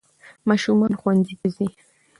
ماشومان ښونځي ته ځي